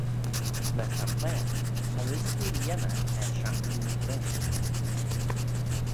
Myr sampleyr, cha lhisagh oo lhiemmey er trampoline brisht.